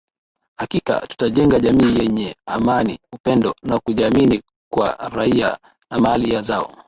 hakika tutajenga jamii yenye amani upendo na kujiamini kwa raia na mali zao